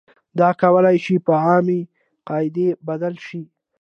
دا کولای شي په عامې قاعدې بدل شي.